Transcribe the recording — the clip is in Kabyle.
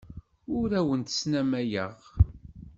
Ur awent-snamayeɣ.